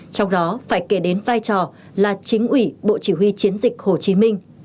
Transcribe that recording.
trong đó phải kể đến vai trò là chính ủy bộ chỉ huy chiến dịch hồ chí minh